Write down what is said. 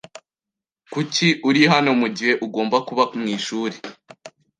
Kuki uri hano mugihe ugomba kuba mwishuri?